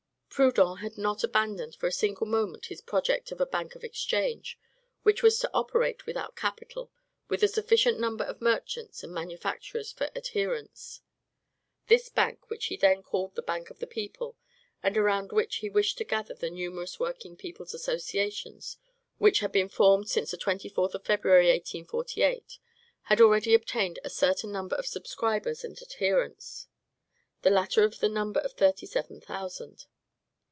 Proudhon had not abandoned for a single moment his project of a Bank of Exchange, which was to operate without capital with a sufficient number of merchants and manufacturers for adherents. This bank, which he then called the Bank of the People, and around which he wished to gather the numerous working people's associations which had been formed since the 24th of February, 1848, had already obtained a certain number of subscribers and adherents, the latter to the number of thirty seven thousand.